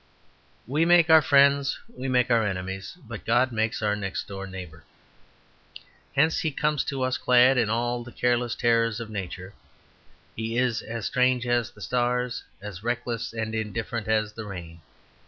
We make our friends; we make our enemies; but God makes our next door neighbour. Hence he comes to us clad in all the careless terrors of nature; he is as strange as the stars, as reckless and indifferent as the rain.